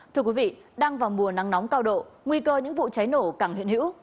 thưa quý vị đang vào mùa nắng nóng cao độ nguy cơ những vụ cháy nổ càng hiện hữu